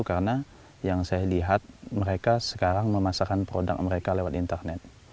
karena yang saya lihat mereka sekarang memasarkan produk mereka lewat internet